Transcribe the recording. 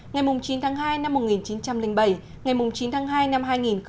ngày chín tháng hai năm một nghìn chín trăm linh bảy ngày chín tháng hai năm hai nghìn một mươi chín